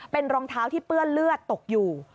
เป็นรองเท้าที่เปื้อนเลือดตกอยู่